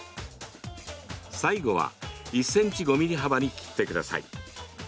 最後は１ｃｍ５ｍｍ幅に切ってください。